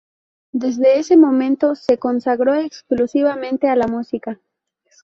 Desde ese momento, se consagró exclusivamente a la música.